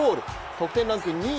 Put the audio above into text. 得点ランク２位